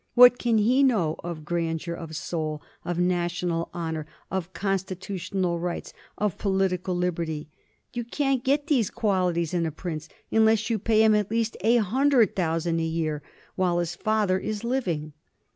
What can he know of grandeur of soul, of national honor, of constitutional rights, of political lib erty ? You can't get these qualities in a prince unless you pay him at least a hundred thousand a year while his 84 A HISTORY OF THE FOUR GEORGES. ch.xxvi. father is living.